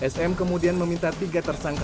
sm kemudian meminta tiga tersangka